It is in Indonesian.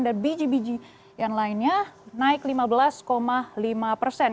dan biji biji yang lainnya naik lima belas lima persen